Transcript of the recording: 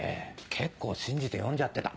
結構信じて読んじゃってた。